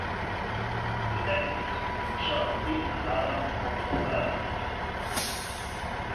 Divendres en Sol i na Lara aniran a la biblioteca.